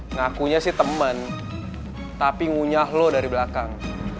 ngakunya sih temen tapi ngunyah lo dari belakang